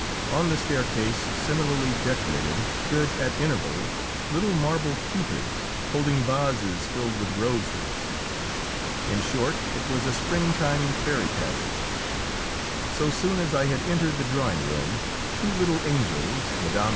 On the staircase, similarly decorated, stood at intervals little marble cupids, holding vases filled with roses. In short, it was a springtime fairy pageant. So soon as I had entered the drawing room, two little angels, Mme.